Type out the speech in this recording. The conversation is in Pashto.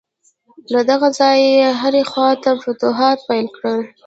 له دغه ځایه یې هرې خواته فتوحات پیل کړل.